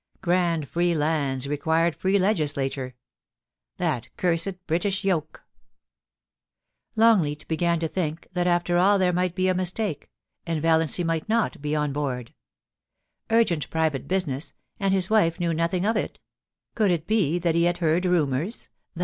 Grand free lands required free legislature. That cursed British yoke ! Longleat began to think that after all there might be a mistake, and Valiancy might not be on board Urgent private business, and his wife knew nothing of it 1 Could it be that he had heard rumours?